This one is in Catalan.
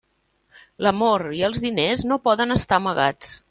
L'amor i els diners no poden estar amagats.